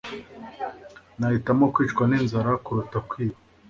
nahitamo kwicwa ninzara kuruta kwiba